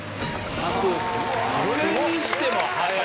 それにしても早い！